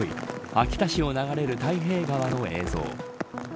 秋田市を流れる太平川の映像。